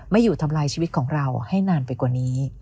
อยู่ทำลายชีวิตของเราให้นานไปกว่านี้